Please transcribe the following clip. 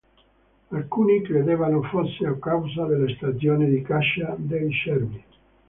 Alcuni credevano fosse a causa della stagione di caccia dei cervi.